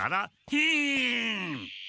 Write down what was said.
ヒン！